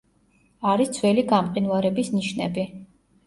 არის ძველი გამყინვარების ნიშნები.